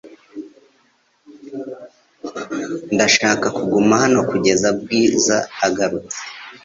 Ndashaka kuguma hano kugeza Bwiza agarutse .